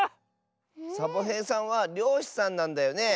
サボへいさんはりょうしさんなんだよね。